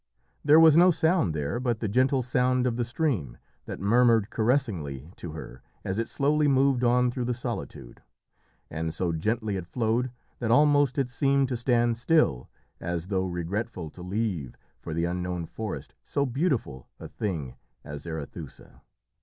There was no sound there but the gentle sound of the stream that murmured caressingly to her as it slowly moved on through the solitude, and so gently it flowed that almost it seemed to stand still, as though regretful to leave for the unknown forest so beautiful a thing as Arethusa.